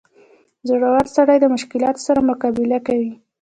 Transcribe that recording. • زړور سړی د مشکلاتو سره مقابله کوي.